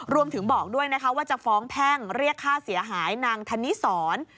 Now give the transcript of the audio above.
รวมถึงบอกด้วยว่าจะฟ้องแท่งเรียกฆ่าเสียหายนางธนิสร